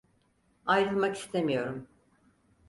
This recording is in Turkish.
Ayrılmak istemiyorum.